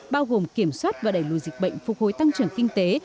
bao gồm kiểm soát và đẩy lùi dịch bệnh phục hồi tăng trưởng kinh tế